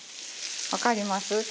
わかります？